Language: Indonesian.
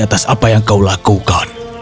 atas apa yang kau lakukan